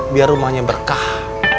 biar rumahnya berkah